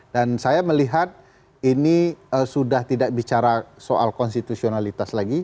dan saya melihat ini sudah tidak bicara soal konstitusionalitas lagi